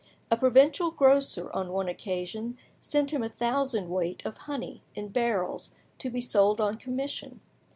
A provincial grocer on one occasion sent him a thousand weight of honey in barrels to be sold on commission.